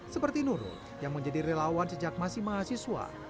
seperti nurul yang menjadi relawan sejak masih mahasiswa